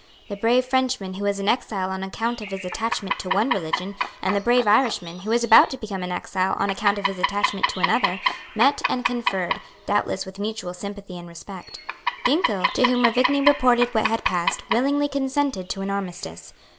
The brave Frenchman who was an exile on account of his attachment to one religion, and the brave Irishman who was about to become an exile on account of his attachment to another, met and conferred, doubtless with mutual sympathy and respect. Ginkell, to whom Ruvigny reported what had passed, willingly consented to an armistice.